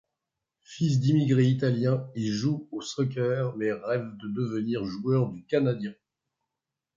Fils d’immigrés italiens, il joue au soccer mais rêve de devenir joueur du Canadien.